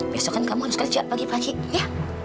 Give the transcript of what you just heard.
besokan kamu harus kerja pagi pagi ya